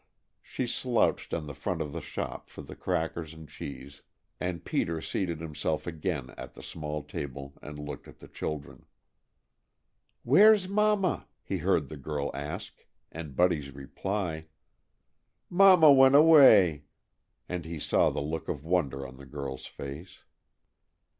She slouched to the front of the shop for the crackers and cheese and Peter seated himself again at the small table, and looked at the children. "Where's Mama?" he heard the girl ask, and Buddy's reply: "Mama went away," and he saw the look of wonder on the girl's face.